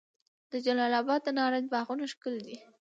د جلال اباد د نارنج باغونه ښکلي دي.